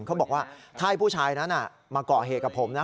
เขาบอกว่าถ้าให้ผู้ชายนั้นมาเกาะเหตุกับผมนะ